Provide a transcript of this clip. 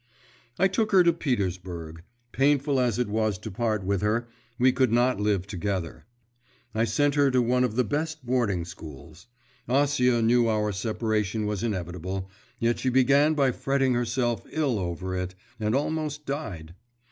'I took her to Petersburg. Painful as it was to part with her, we could not live together. I sent her to one of the best boarding schools. Acia knew our separation was inevitable, yet she began by fretting herself ill over it, and almost died.